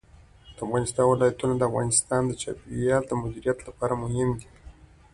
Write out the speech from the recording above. د افغانستان ولايتونه د افغانستان د چاپیریال د مدیریت لپاره مهم دي.